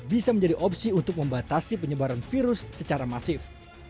bisa menjadi opsi untuk membatasi penyebaran virus secara masif